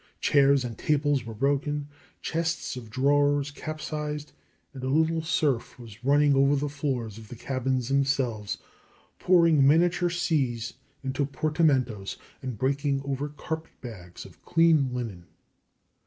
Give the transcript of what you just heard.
Chairs and tables were broken, chests of drawers capsized, and a little surf was running over the floors of the cabins themselves, pouring miniature seas into portmanteaus, and breaking over carpetbags of clean linen.